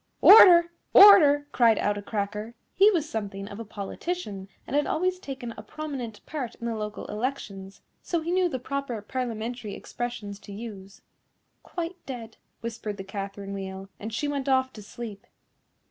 "Order! order!" cried out a Cracker. He was something of a politician, and had always taken a prominent part in the local elections, so he knew the proper Parliamentary expressions to use. "Quite dead," whispered the Catherine Wheel, and she went off to sleep.